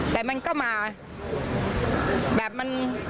แต่มันก็มาแบบมัน